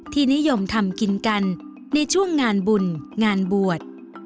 นิยมทำกินกันในช่วงงานบุญงานบวช